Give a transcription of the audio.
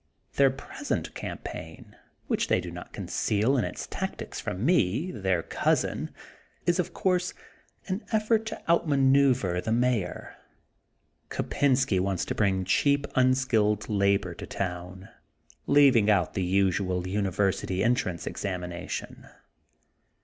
Their present campaign, which they do not conceal in its tactics from me, their '' cousin, is, of course, an effort to out maneuver the Mayor. Ko pensky wants to bring cheap unskilled labor to town, leaving out the usual University entrance examination.